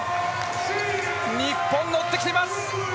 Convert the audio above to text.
日本、乗ってきています！